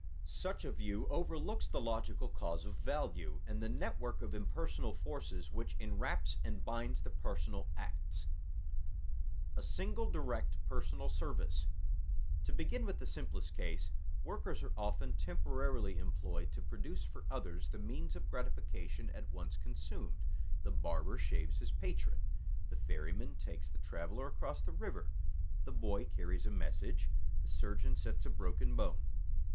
Such a view overlooks the logical cause of value, and the network of impersonal forces which enwraps and binds the personal acts. [Sidenote: A single direct personal service] To begin with the simplest case: workers often are temporarily employed to produce for others means of gratification at once consumed. The barber shaves his patron, the ferryman takes the traveler across the river, the boy carries a message, the surgeon sets a broken bone.